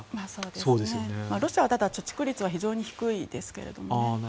ただ、ロシアは貯蓄率は非常に低いですね。